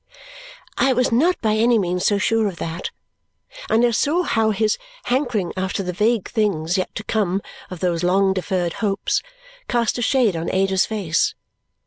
I was not by any means so sure of that, and I saw how his hankering after the vague things yet to come of those long deferred hopes cast a shade on Ada's face.